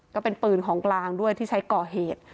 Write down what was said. ก็เป็นปืนของกลางด้วยที่ใช้ก่อเหตุ